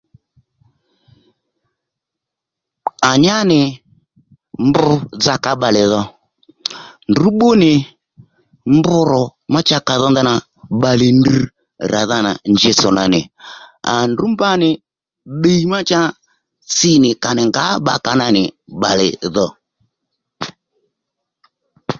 À nyá nì mb dzakǎ bbalè dho ndrǔ bbú nì mb rò má cha ka dho ndanà bbalè drr ràdha nà njitsò nà nì à ndrǔ mba nì ddiy má cha tsi nì à nì ngǎ bbakǎ nà nì bbalè dho